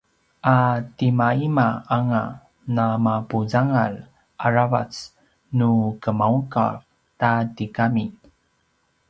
a timaima anga namapuzangal aravac nu gemaugav ta tigami